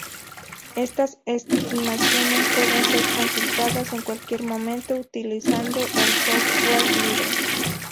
Estas estimaciones pueden ser consultadas en cualquier momento utilizando el software libre